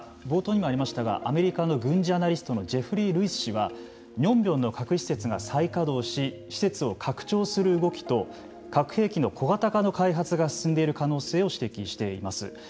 冒頭にもありましたがアメリカの軍事アナリストのジェフリー・ルイス氏はニョンビョンの核施設が再稼働し核兵器の小型化の開発が進んでいる可能性を指摘しています。